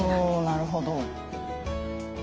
なるほど。